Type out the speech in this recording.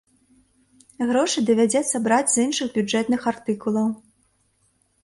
Грошы давядзецца браць з іншых бюджэтных артыкулаў.